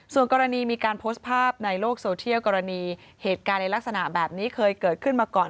ส่วนกรณีมีการโพสต์ภาพในโลกโซเทียลกรณีเหตุการณ์ในลักษณะแบบนี้เคยเกิดขึ้นมาก่อน